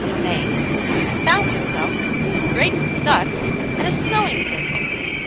domains, and found himself, to his great disgust, at a sewing circle.